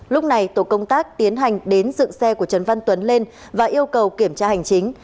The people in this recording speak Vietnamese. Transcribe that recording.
lúc này tổ công tác tiến hành đến dựng xe của trần văn tuấn lên và yêu cầu kiểm tra hành chính